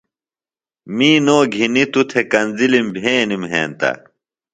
می نو گِھنیۡ توۡ تھےۡ کنزِلِم بھینِم ہنتہ۔